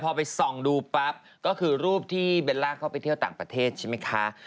พอไปส่องดูปั๊บก็คือรูปที่เบลล่าเข้าไปเที่ยวต่างประเทศใช่ไหมคะ